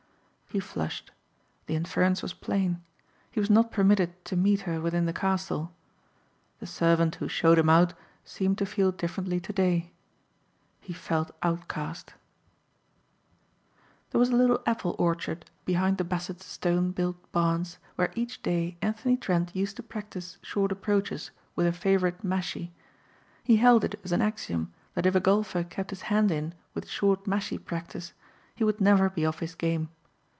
He flushed. The inference was plain. He was not permitted to meet her within the castle. The servant who showed him out seemed to feel differently today. He felt outcast. There was a little apple orchard behind the Bassetts' stone built barns where each day Anthony Trent used to practise short approaches with a favorite mashie. He held it as an axiom that if a golfer kept his hand in with short mashie practise he would never be off his game.